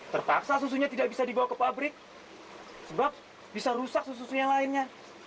terpaksa susunya tidak bisa dibawa ke pabrik sebab bisa rusak susu susu yang lainnya